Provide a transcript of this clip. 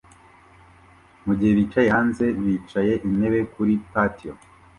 mugihe bicaye hanze bicaye intebe kuri patio